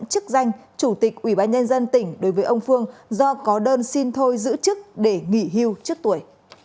chức danh chủ tịch ủy ban nhân dân tỉnh đối với ông phương do có đơn xin thôi giữ chức để nghỉ hưu trước tuổi